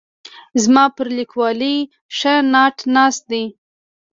زما پر لیکوالۍ ښه ناټ ناست دی.